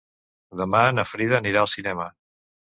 Demà na Frida anirà al cinema.